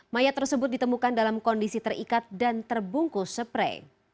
mayat tersebut ditemukan dalam kondisi terikat dan terbungkus spray